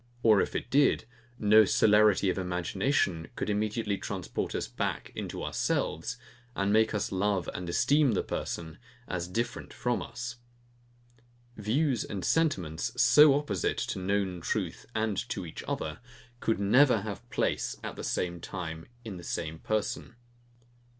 Or if it did, no celerity of imagination could immediately transport us back, into ourselves, and make us love and esteem the person, as different from us. Views and sentiments, so opposite to known truth and to each other, could never have place, at the same time, in the same person.